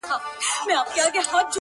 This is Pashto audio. له هري غیږي له هر یاره سره لوبي کوي.!